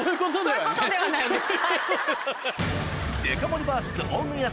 そういうことではないです。